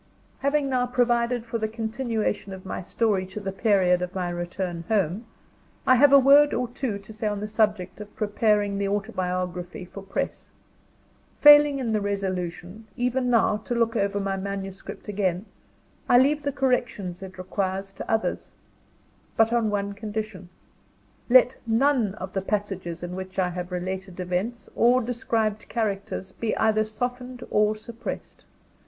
Having now provided for the continuation of my story to the period of my return home, I have a word or two to say on the subject of preparing the autobiography for press. Failing in the resolution, even now, to look over my manuscript again, I leave the corrections it requires to others but on one condition. Let none of the passages in which I have related events, or described characters, be either softened or suppressed.